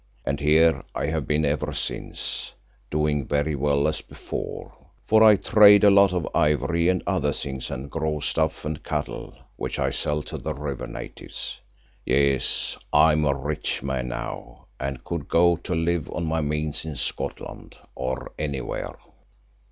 And here I have been ever since, doing very well as before, for I trade a lot of ivory and other things and grow stuff and cattle, which I sell to the River natives. Yes, I am a rich man now and could go to live on my means in Scotland, or anywhere."